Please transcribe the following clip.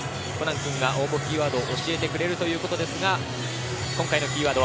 コナン君が応募キーワードを教えてくれるということですが今回のキーワード